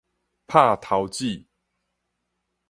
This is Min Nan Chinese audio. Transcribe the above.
拍頭子